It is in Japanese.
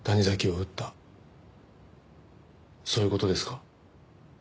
そういう事ですか？